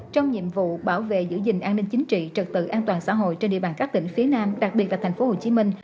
trong nhiệm vụ bảo vệ giữ gìn an ninh chính trị trật tự an toàn xã hội trên địa bàn các tỉnh phía nam đặc biệt là tp hcm